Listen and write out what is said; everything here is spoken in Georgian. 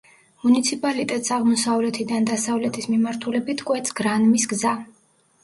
მუნიციპალიტეტს აღმოსავლეთიდან დასავლეთის მიმართულებით კვეთს გრანმის გზა.